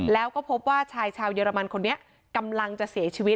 แล้วก็พบว่าชายชาวเยอรมันคนนี้กำลังจะเสียชีวิต